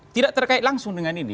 tidak terkait langsung dengan ini